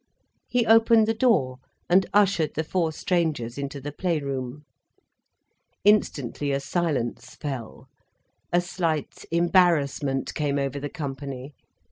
He opened the door and ushered the four strangers into the play room. Instantly a silence fell, a slight embarrassment came over the company.